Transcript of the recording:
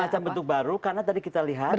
semacam bentuk baru karena tadi kita lihat